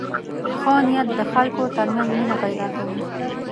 ښه نیت د خلکو تر منځ مینه پیدا کوي.